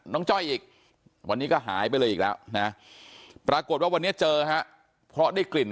น้องจ้อยนั่งก้มหน้าไม่มีใครรู้ข่าวว่าน้องจ้อยเสียชีวิตไปแล้ว